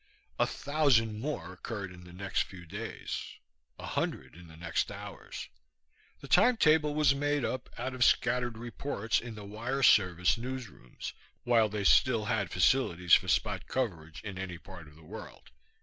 A thousand more occurred in the next few days, a hundred in the next hours. The timetable was made up out of scattered reports in the wire service newsrooms, while they still had facilities for spot coverage in any part of the world.